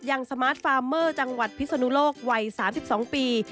สมาร์ทฟาร์มเมอร์จังหวัดพิศนุโลกวัย๓๒ปี